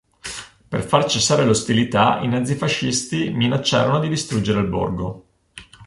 Per far cessare le ostilità i nazifascisti minacciarono di distruggere il borgo.